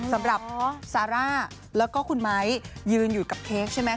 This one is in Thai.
สำหรับซาร่าแล้วก็คุณไม้ยืนอยู่กับเค้กใช่ไหม